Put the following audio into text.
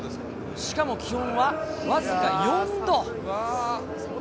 しかも気温は僅か４度。